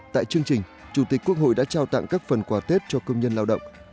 tại chương trình chủ tịch quốc hội đã trao tặng các phần quà tết cho công nhân lao động